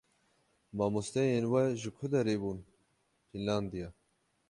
Mamosteyên we ji ku derê bûn? "Fînlandiya."